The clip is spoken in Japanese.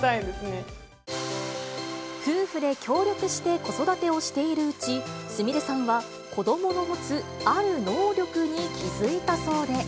夫婦で協力して子育てをしているうち、すみれさんは子どもの持つある能力に気付いたそうで。